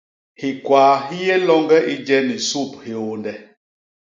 Hikwaa hi yé loñge i je ni sup hiônde.